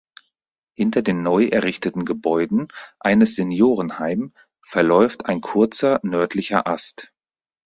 Hinter den neu errichteten Gebäuden eines Seniorenheim verläuft ein kurzer nördlicher Ast.